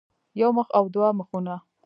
يو مخ او دوه مخونه